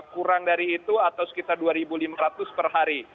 kurang dari itu atau sekitar dua lima ratus per hari